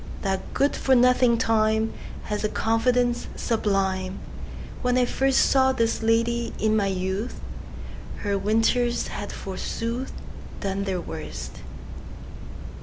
That good for nothing TimeHas a confidence sublime! When I firstSaw this lady, in my youth, Her winters had, forsooth, Done their worst.